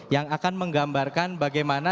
yang akan menggambarkan bagaimana